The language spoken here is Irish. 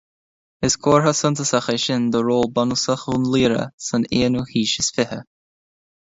Is comhartha suntasach é sin de ról bunúsach Dhún Laoghaire san aonú haois is fiche